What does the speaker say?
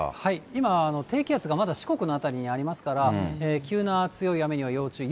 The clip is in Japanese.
今、低気圧がまだ四国の辺りにありますから、急な強い雨には要注意。